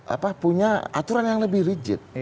apa punya aturan yang lebih rigid